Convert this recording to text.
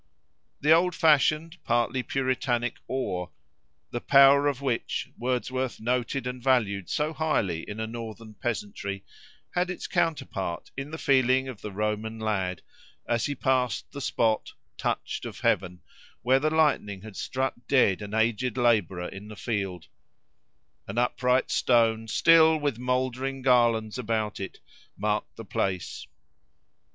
The old fashioned, partly puritanic awe, the power of which Wordsworth noted and valued so highly in a northern peasantry, had its counterpart in the feeling of the Roman lad, as he passed the spot, "touched of heaven," where the lightning had struck dead an aged labourer in the field: an upright stone, still with mouldering garlands about it, marked the place.